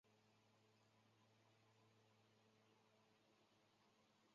应用社会学研究社会各种领域。